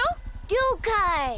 りょうかい。